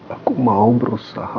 aku mau berusaha